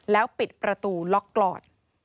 แล้วปิดประตูล็อกกลอด